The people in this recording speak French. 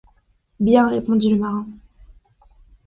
Bien, répondit le marin